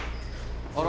あら。